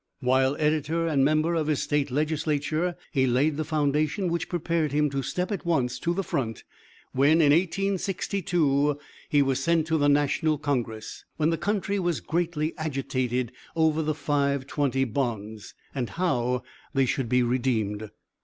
While editor and member of his State legislature, he laid the foundation which prepared him to step at once to the front, when in 1862 he was sent to the National Congress, when the country was greatly agitated over the Five twenty bonds, and how they should be redeemed.